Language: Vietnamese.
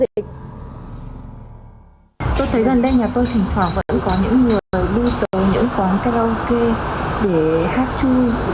tôi thấy gần đây nhà tôi thỉnh thoảng vẫn có những người lưu tố những phóng karaoke để hát chui